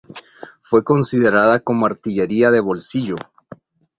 Fue considerada como artillería de bolsillo.